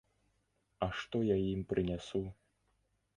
А што я ім прынясу?